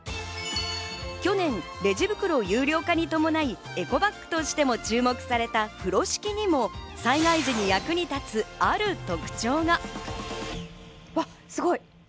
去年レジ袋有料化に伴い、エコバッグとしても注目された風呂敷にも災害時に役立つある特徴が。